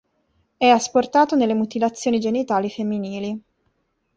È asportato nelle mutilazioni genitali femminili.